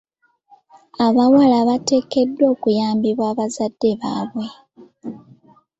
Abawala bateekeddwa okuyambibwa bazadde baabwe.